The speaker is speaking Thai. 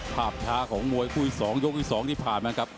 ภาพช้าของมวยคู่อีก๒ยกที่๒ที่ผ่านมาครับ